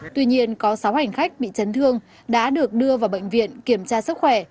tuy nhiên có sáu hành khách bị chấn thương đã được đưa vào bệnh viện kiểm tra sức khỏe